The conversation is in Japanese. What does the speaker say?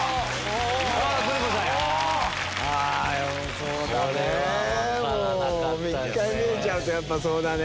そうだね１回見えちゃうとやっぱそうだね。